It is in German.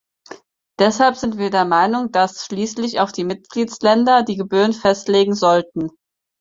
Deshalb sind wir der Meinung, dass schließlich auch die Mitgliedsländer die Gebühren festlegen sollten.